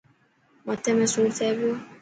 مٿي ۾ سور ٿي پيو.